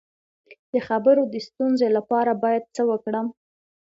د خبرو د ستونزې لپاره باید څه وکړم؟